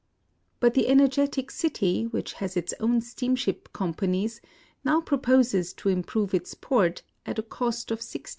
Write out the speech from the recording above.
But the energetic city, which has its own steamship companies, now proposes to im prove its port, at a cost of 116,000,000.